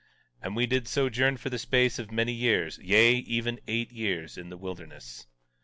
17:4 And we did sojourn for the space of many years, yea, even eight years in the wilderness.